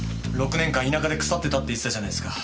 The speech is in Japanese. ６年間田舎で腐ってたって言ってたじゃないですか。